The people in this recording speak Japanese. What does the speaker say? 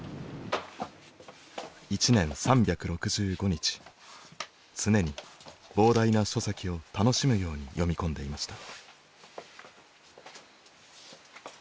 １年３６５日常に膨大な書籍を楽しむように読み込んでいました。